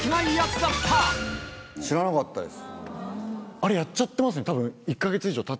それはあれやっちゃってますね多分。